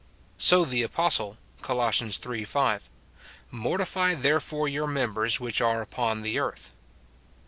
So the apostle, Col. iii. 5, "Mortify therefore your members which are upon the earth."